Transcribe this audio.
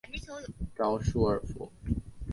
沼鼠耳蝠为蝙蝠科鼠耳蝠属的动物。